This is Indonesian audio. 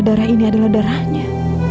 darah ini adalah darahnya